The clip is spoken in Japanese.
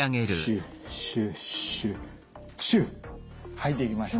はいできました。